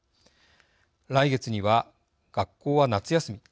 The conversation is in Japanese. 来月には学校は夏休み。